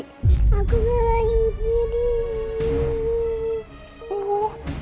aku punya ibu tiri